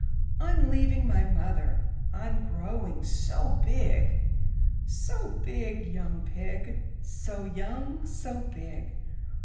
'Tm leaving my Mother, Fm growing so big!'* ''So big, young pig, So young, so big!